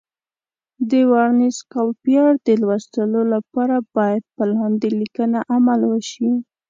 د ورنیز کالیپر د لوستلو لپاره باید په لاندې لیکنه عمل وشي.